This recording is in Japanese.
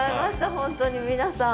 本当に皆さん。